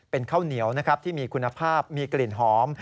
เป็นข้าวเหนียวนะครับที่มีคุณภาพมีกลิ่นหอม